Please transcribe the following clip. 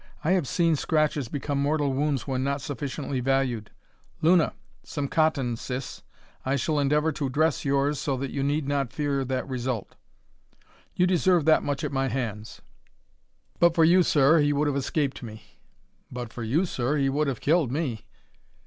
I have seen scratches become mortal wounds when not sufficiently valued. Luna! Some cotton, sis! I shall endeavour to dress yours so that you need not fear that result. You deserve that much at my hands. But for you, sir, he would have escaped me." "But for you, sir, he would have killed me."